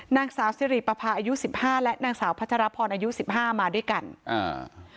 นางสาวสิริปภาอายุสิบห้าและนางสาวพัชรพรอายุสิบห้ามาด้วยกันอ่า